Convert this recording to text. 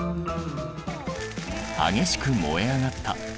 激しく燃え上がった。